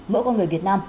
mỗi con người việt nam